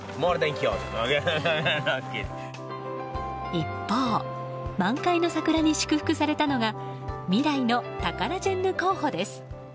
一方、満開の桜に祝福されたのが未来のタカラジェンヌ候補です。